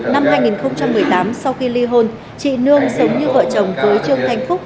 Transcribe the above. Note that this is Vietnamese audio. năm hai nghìn một mươi tám sau khi ly hôn chị nương sống như vợ chồng với trương thanh phúc